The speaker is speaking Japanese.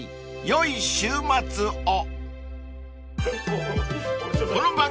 ［よい週末を］